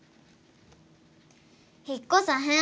引っこさへん。